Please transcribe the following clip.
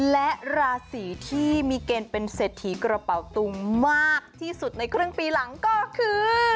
และราศีที่มีเกณฑ์เป็นเศรษฐีกระเป๋าตุงมากที่สุดในครึ่งปีหลังก็คือ